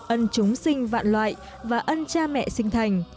ân chúng sinh vạn loại và ân cha mẹ sinh thành